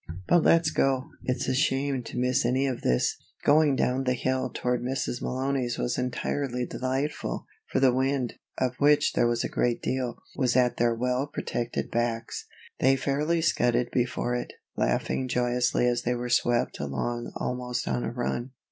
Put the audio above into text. But let's go. It's a shame to miss any of this." Going down the long hill toward Mrs. Malony's was entirely delightful, for the wind, of which there was a great deal, was at their well protected backs; they fairly scudded before it, laughing joyously as they were swept along almost on a run.